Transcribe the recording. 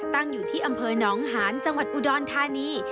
ตั้งอยู่ที่อำเภอหนองหานจังหวัดอุดรธานี